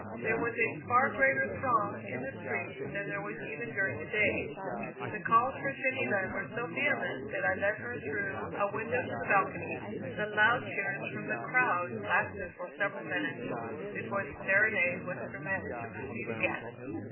There was a far greater throng in the streets than there was even during the day. The calls for Jenny Lind were so vehement that I led her through a window to the balcony. The loud cheers from the crowds lasted for several minutes, before the serenade was permitted to proceed again.